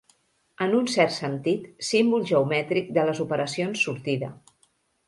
En un cert sentit, símbol geomètric de les operacions sortida.